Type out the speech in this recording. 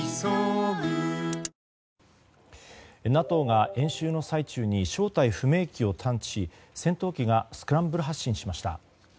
ＮＡＴＯが演習の最中に正体不明機を探知し戦闘機がスクランブル発進しました。